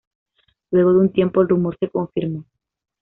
Luego de un tiempo, el rumor se confirmó.